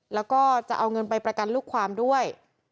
แล้วก็จะเอาเงินไปประกันลูกความด้วย